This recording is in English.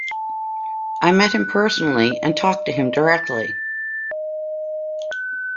I met him personally and talked to him directly.